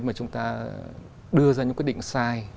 mà chúng ta đưa ra những quyết định sai